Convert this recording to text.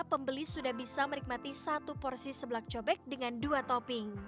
pembeli sudah bisa menikmati satu porsi sebelak cobek dengan dua topping